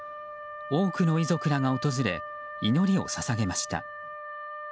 多くの遺族らが訪れ祈りを捧げました。